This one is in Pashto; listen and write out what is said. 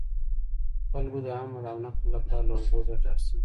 خلکو د حمل او نقل لپاره له اوبو ګټه اخیسته.